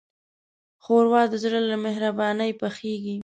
ښوروا د زړه له مهربانۍ پخیږي.